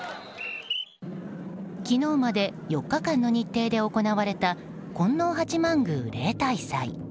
昨日まで４日間の日程で行われた金王八幡宮例大祭。